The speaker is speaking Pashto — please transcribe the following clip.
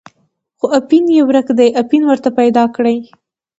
خو اپین یې ورک دی، اپین ورته پیدا کړئ.